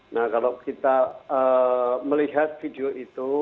nah kalau kita melihat video itu